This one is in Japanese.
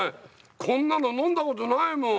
こんなの飲んだことないもん！